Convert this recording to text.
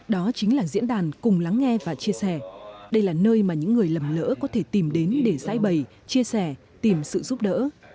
đó chính là diễn đàn cùng lắng nghe và chia sẻ đây là nơi mà những người lầm lỡ có thể tìm đến để giải bày chia sẻ tìm sự giúp đỡ